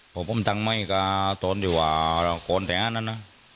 เพราะผมทั้งไม่กับตอนที่ว่าก่อนแต่งนั้นนะ